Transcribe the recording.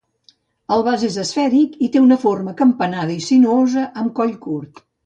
El vas és esfèric i té una forma acampanada i sinuosa, amb coll curt.